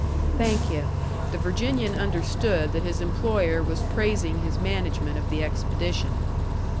"Thank yu'." The Virginian understood that his employer was praising his management of the expedition.